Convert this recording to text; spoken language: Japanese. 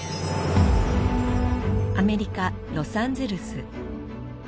アメリカロサンゼルス